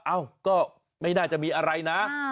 เอ้าก็ไม่น่าจะมีอะไรนะ